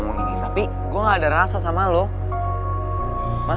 ternyata udah ada roman